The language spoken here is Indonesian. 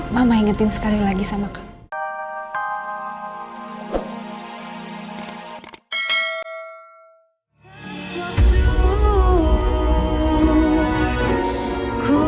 mama ingetin sekali lagi sama kamu